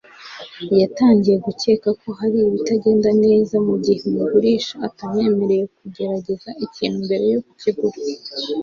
Yatangiye gukeka ko hari ibitagenda neza mugihe umugurisha atamwemereye kugerageza ikintu mbere yo kukigura